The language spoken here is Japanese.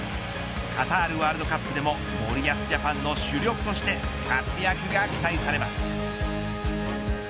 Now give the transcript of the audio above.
カタールワールドカップでも森保ジャパンの主力として活躍が期待されます。